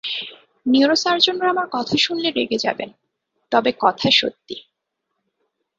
Neuro সার্জনরা আমার কথা শুনলে রেগে যাবেন, তবে কথা সত্যি।